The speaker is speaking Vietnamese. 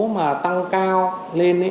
mà tăng cao lên